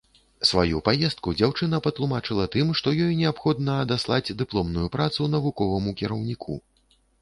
Сваю паездку дзяўчына патлумачыла тым, што ёй неабходна адаслаць дыпломную працу навуковаму кіраўніку.